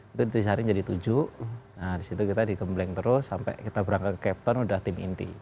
itu disaring jadi tujuh nah disitu kita dikembleng terus sampai kita berangkat ke capton sudah tim inti